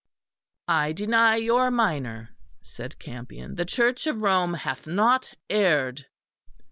"I deny your minor," said Campion, "the Church of Rome hath not erred."